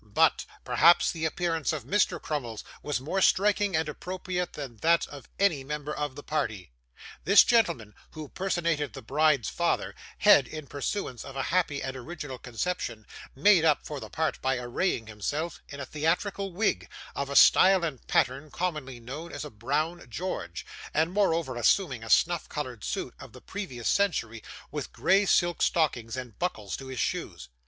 But, perhaps the appearance of Mr. Crummles was more striking and appropriate than that of any member of the party. This gentleman, who personated the bride's father, had, in pursuance of a happy and original conception, 'made up' for the part by arraying himself in a theatrical wig, of a style and pattern commonly known as a brown George, and moreover assuming a snuff coloured suit, of the previous century, with grey silk stockings, and buckles to his shoes.